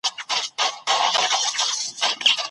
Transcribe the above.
د مېرمنو تر منځ عدالت نه کوونکی ظالم دی.